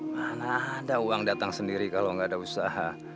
mana ada uang datang sendiri kalau nggak ada usaha